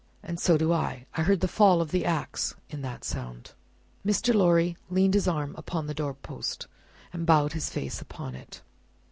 "And so do I. I heard the fall of the axe in that sound." Mr. Lorry leaned his arm upon the door post, and bowed his face upon it.